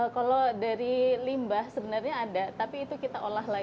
kalau dari limbah sebenarnya ada tapi itu kita olah